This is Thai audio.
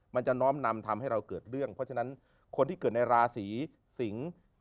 มันจะน้อมนำทำให้เราเกิดเรื่องเพราะฉะนั้นคนที่เกิดในราศีสิงศ์